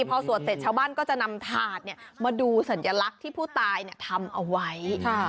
พอสวดเสร็จชาวบ้านก็จะนำถาดมาดูสัญลักษณ์ที่ผู้ตายทำเอาไว้